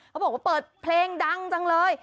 บอกว่าเปิดเพลงดังจังเลย